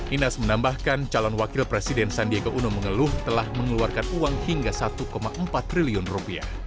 inas menambahkan calon wakil presiden sandiaga uno mengeluh telah mengeluarkan uang hingga satu empat triliun rupiah